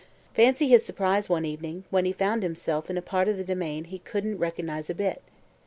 Fancy his surprise one evening, when he found himself in a part of the demesne he couldn't recognise a bit.